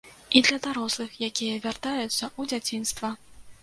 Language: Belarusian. І для дарослых, якія вяртаюцца ў дзяцінства.